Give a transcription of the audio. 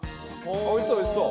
おいしそうおいしそう。